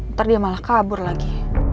ntar dia malah kabur lagi